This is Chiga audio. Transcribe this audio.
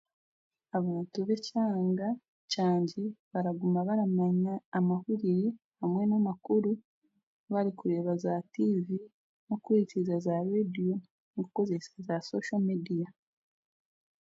Abantu b'ekyanga kyangye baraguma baramanya amahuriire hamwe n'amakuru barikureeba za tiivi, n'okuhurikiriza zaarediyo, n'okukozesa za soso mediya.